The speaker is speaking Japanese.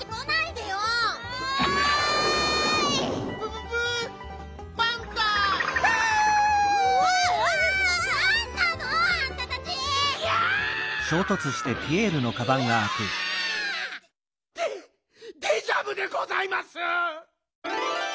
デデジャビュでございます！